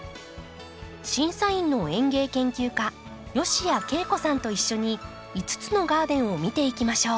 審査員の園芸研究家吉谷桂子さんと一緒に５つのガーデンを見ていきましょう。